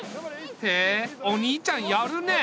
へえお兄ちゃんやるねえ。